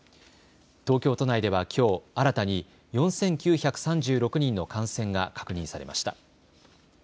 東京都内ではきょう新たに４９３６人の感染が確認されました。